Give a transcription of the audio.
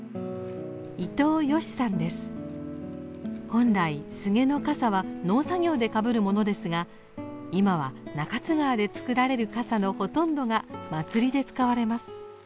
本来スゲの笠は農作業でかぶるものですが今は中津川で作られる笠のほとんどが祭りで使われます。